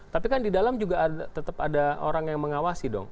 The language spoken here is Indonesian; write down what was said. tapi kan di dalam juga tetap ada orang yang mengawasi dong